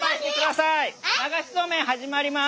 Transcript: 流しそうめん始まります！